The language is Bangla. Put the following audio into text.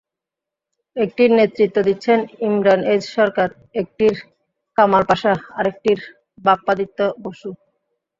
একটির নেতৃত্ব দিচ্ছেন ইমরান এইচ সরকার, একটির কামাল পাশা আরেকটির বাপ্পাদিত্য বসু।